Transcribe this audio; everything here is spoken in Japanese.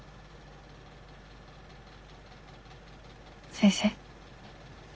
先生？